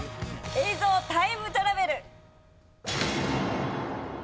映像タイムトラベル！